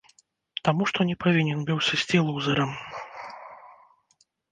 Таму што не павінен быў сысці лузэрам.